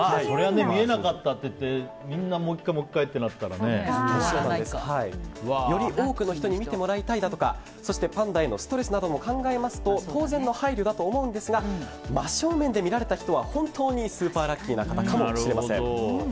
そりゃ見えなかったっていってみんな、もう１回、もう１回ってより多くの人に見てもらいたいだとかそしてパンダへのストレスなども考えますと当然の配慮だと思うんですが真正面で見られた方は本当にスーパーラッキーな方かもしれません。